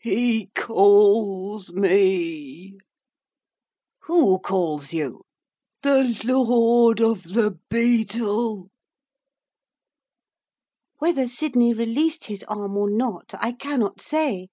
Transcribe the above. He calls me.' 'Who calls you?' 'The Lord of the Beetle.' Whether Sydney released his arm or not I cannot say.